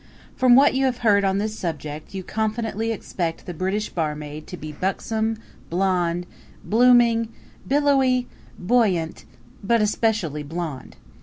From what you have heard on this subject you confidently expect the British barmaid to be buxom, blond, blooming, billowy, buoyant but especially blond.